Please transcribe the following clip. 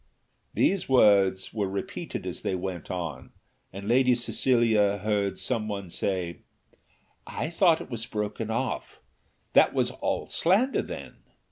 These words were repeated as they went on, and Lady Cecilia heard some one say, "I thought it was broken off; that was all slander then?"